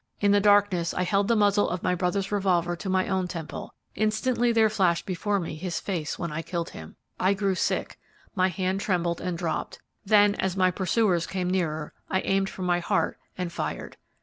In the darkness I held the muzzle of my brother's revolver to my own temple; instantly there flashed before me his face when I had killed him! I grew sick, my hand trembled and dropped; then, as my pursuers came nearer, I aimed for my heart and fired!